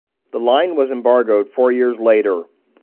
The line was embargoed four years later.